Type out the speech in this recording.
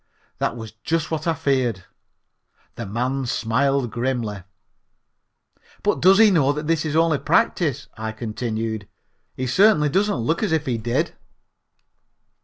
That was just what I feared. The man smiled grimly. "But does he know that this is only practise?" I continued. "He certainly doesn't look as if he did."